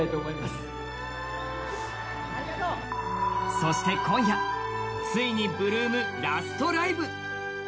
そして今夜ついに８ＬＯＯＭ、ラストライブ。